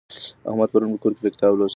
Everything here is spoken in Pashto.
احمد پرون په کور کي کتاب لوستی.